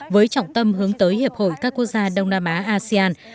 với trọng tâm hướng tới hiệp hội các quốc gia đông nam á asean